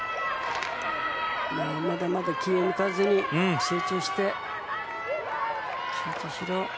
まだまだ気を抜かずに、集中して。